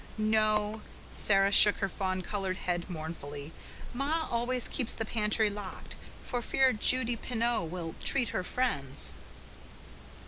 "No." Sara shook her fawn coloured head mournfully. "Ma always keeps the pantry locked, for fear Judy Pineau will treat her friends."